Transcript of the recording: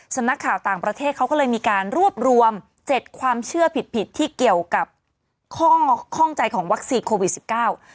สำนักข่าวต่างประเทศเขาก็เลยมีการรวบรวมเจ็ดความเชื่อผิดผิดที่เกี่ยวกับข้อข้องใจของวัคซีนโควิดสิบเก้า